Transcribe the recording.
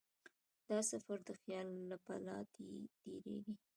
دا سفر د خیال له پله تېرېږي.